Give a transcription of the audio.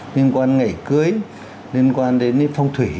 liên quan ngày cưới liên quan đến phong thủy